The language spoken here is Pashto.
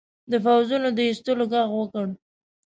د پوځونو د ایستلو ږغ وکړ.